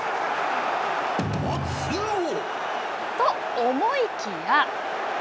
と、思いきや。